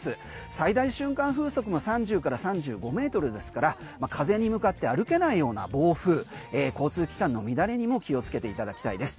最大瞬間風速が３０から３５ｍですから風に向かって歩けないような暴風交通機関の乱れにも気をつけていただきたいです。